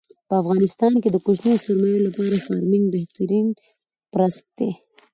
په افغانستان کې د کوچنیو سرمایو لپاره فارمنګ بهترین پرست دی.